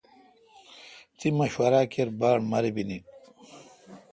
تی مشورہ کیر باڑ مربینی۔